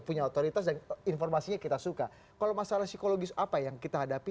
punya otoritas dan informasinya kita suka kalau masalah psikologis apa yang kita hadapi